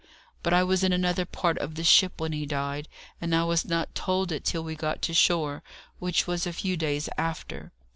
But I was in another part of the ship when he died, and I was not told it till we got to shore, which was a few days after.